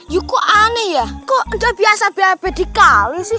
you kok aneh ya kok udah biasa bab di kali sih